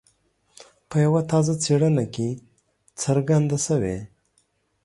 په یوه تازه څېړنه کې څرګنده شوي.